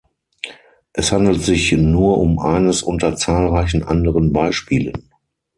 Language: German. Es handelt sich nur um eines unter zahlreichen anderen Beispielen.